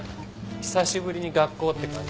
久しぶりに学校って感じ。